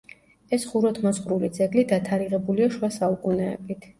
ეს ხუროთმოძღვრული ძეგლი დათარიღებულია შუა საუკუნეებით.